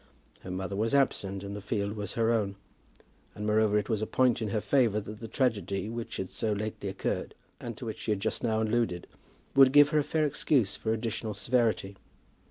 Her mother was absent, and the field was her own. And, moreover, it was a point in her favour that the tragedy which had so lately occurred, and to which she had just now alluded, would give her a fair excuse for additional severity.